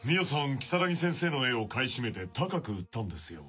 如月先生の絵を買い占めて高く売ったんですよ。